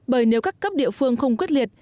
bởi nếu các cấp địa phương không quyết liệt